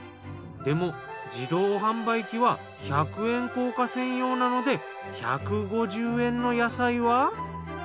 でも自動販売機は１００円硬貨専用なので１５０円の野菜は。